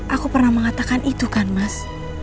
aku pernah mengatakan itu kan mas